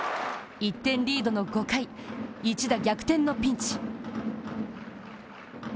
１点リードの５回、一打逆転のピンチ。